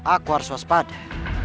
aku harus waspada